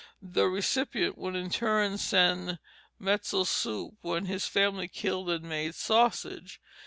The recipient would in turn send metzel soup when his family killed and made sausage.